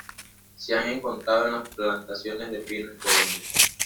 Se han encontrado en las plantaciones de pino en Colombia.